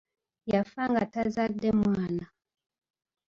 Yafa nga tazadde mwana.